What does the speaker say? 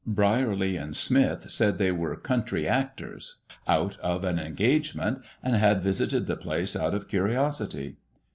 Brierly and Smith said they were country actors out of an engagement, and had visited the place out of curiosity.